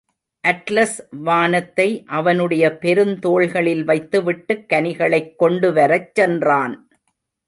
Atlas வானத்தை அவனுடைய பெருந்தோள்களில் வைத்துவிட்டுக் கனிகளைக் கொண்டுவரச் சென்றான்.